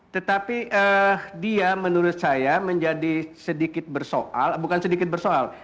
tetapi dia menurut saya menjadi sedikit bersoal bukan sedikit bersoal